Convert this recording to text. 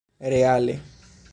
reale